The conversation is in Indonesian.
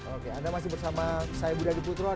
ok anda masih bersama saya budi agi putro